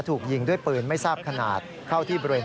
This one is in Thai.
ถูกยิงด้วยปืนไม่ทราบขนาดเข้าที่บริเวณ